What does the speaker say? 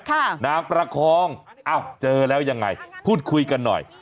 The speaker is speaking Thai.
นางประคองอ้าวเจอแล้วยังไงพูดคุยกันหน่อย